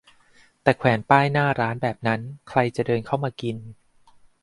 แต่แขวนป้ายหน้าร้านแบบนั้น ใครจะเดินเข้ามากิน